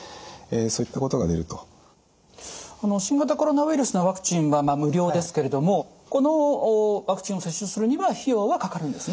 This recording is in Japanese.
新型コロナウイルスのワクチンは無料ですけれどもこのワクチンを接種するには費用はかかるんですね？